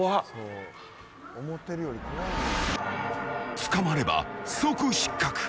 捕まれば、即失格。